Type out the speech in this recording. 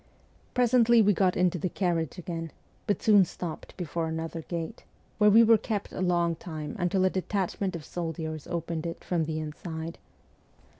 Presently we got into the carriage again, but soon stopped before another gate, where we were kept a long time until a detachment of soldiers opened it from the inside.